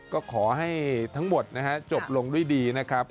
ก็ขอให้ทั้งหมดนะฮะจบลงด้วยดีนะครับ